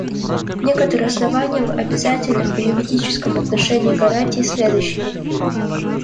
Некоторые основания обязательных в юридическом отношении гарантий следующие.